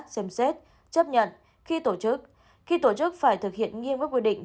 xem xét chấp nhận khi tổ chức khi tổ chức phải thực hiện nghiêm các quy định